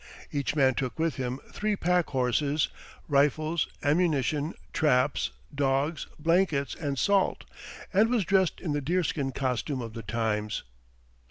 Each man took with him three packhorses, rifles, ammunition, traps, dogs, blankets, and salt, and was dressed in the deerskin costume of the times.